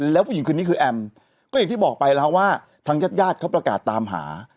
แล้วผู้หญิงคนนี้คือแอมก็อย่างที่บอกไปแล้วว่าทางญาติญาติเขาประกาศตามหา